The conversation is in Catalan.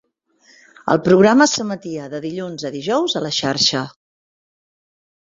El programa s'emetia de dilluns a dijous a la xarxa.